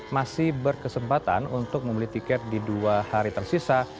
masih berkesempatan untuk membeli tiket di dua hari tersisa